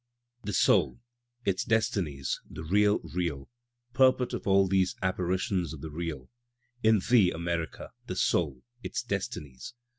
The soul, its destinies, the real real, (Purport of all these apparitions of the real) In thee, America, the soul, its destinies.